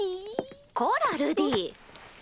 こらルディ！